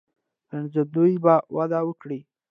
ګرځندوی به وده وکړي.